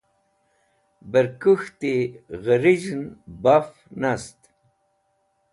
Bẽr kũk̃hti ghẽriz̃hẽn baf nast.